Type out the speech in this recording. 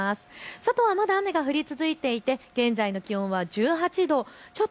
外はまだ雨が降り続いていて現在の気温は１８度。